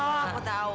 oh aku tahu